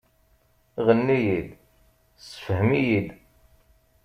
Ɣenni-iyi-d, ssefhem-iyi-d